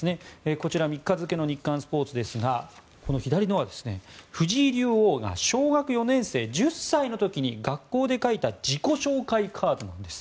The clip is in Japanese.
こちら３日付の日刊スポーツですが左のは藤井竜王が小学４年生、１０歳の時に学校で書いた自己紹介カードなんです。